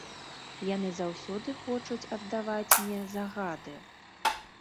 Яны заўсёды хочуць аддаваць мне загады.